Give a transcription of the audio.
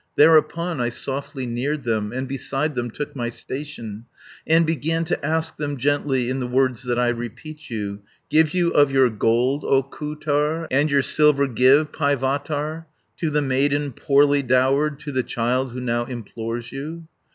"Thereupon I softly neared them, And beside them took my station, And began to ask them gently, In the words that I repeat you: 'Give you of your gold, O Kuutar, And your silver give, Paivatar, 150 To the maiden poorly dowered, To the child who now implores you!'